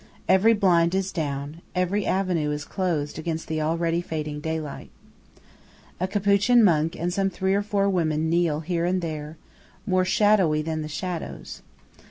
Every blind is down; every avenue is closed against the already fading daylight. A Capuchin monk and some three or four women kneel here and there, more shadowy than the shadows.